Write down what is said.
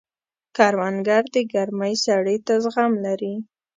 کروندګر د ګرمۍ سړې ته زغم لري